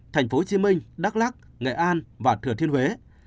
tp hcm đắk lắc nghệ an và thừa thiên huế